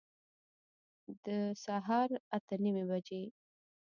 د سهار اته نیمي بجي